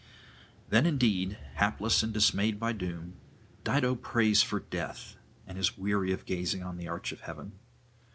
Then indeed, hapless and dismayed by doom, Dido prays for death, and is weary of gazing on the arch of heaven.